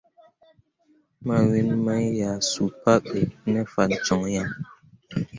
Mawin mai ʼnyah suu pabe ne fan joŋ ahe.